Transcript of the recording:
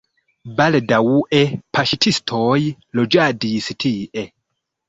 Baldaŭe paŝtistoj loĝadis tie.